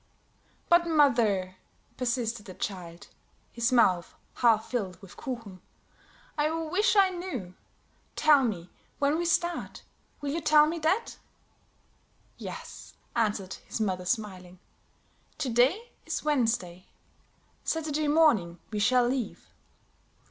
"But, mother," persisted the child, his mouth half filled with kuchen, "I wish I knew. Tell me when we start; will you tell me that?" "Yes," answered his mother, smiling. "To day is Wednesday; Saturday morning we shall leave."